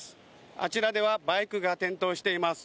あちらではバイクが転倒しています。